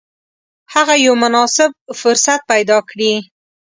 هغه یو مناسب فرصت پیدا کړي.